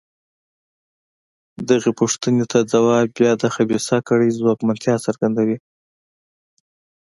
دغې پوښتنې ته ځواب بیا د خبیثه کړۍ ځواکمنتیا څرګندوي.